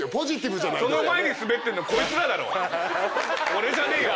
俺じゃねえよ